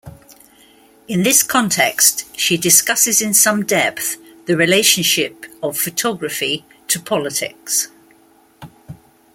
In this context, she discusses in some depth the relationship of photography to politics.